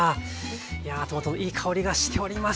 いやトマトのいい香りがしております。